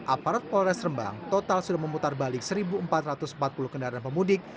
aparat polres rembang total sudah memutar balik satu empat ratus empat puluh kendaraan pemudik